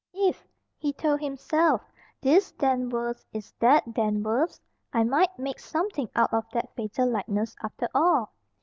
"If," he told himself, "this Danvers is that Danvers, I might make something out of that fatal likeness after all."